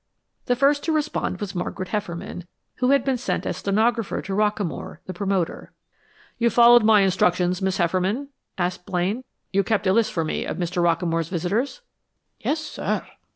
The first to respond was Margaret Hefferman, who had been sent as stenographer to Rockamore, the promoter. "You followed my instructions, Miss Hefferman," asked Blaine. "You kept a list for me of Mr. Rockamore's visitors?" "Yes, sir.